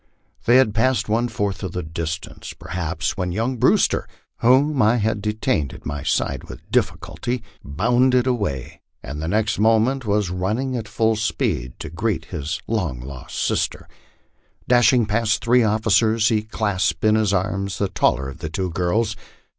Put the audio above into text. They had passed one fourth of the distance, perhaps, when young Brewster, whom I had detained at my side with difficulty, bounded away, and the next moment was running at full speed to greet his long lost sister. Dashing past the three of ficers, he clasped in his arms the taller of the two girls.